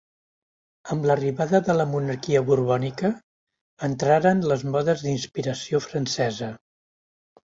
Amb l'arribada de la monarquia borbònica, entraren les modes d'inspiració francesa.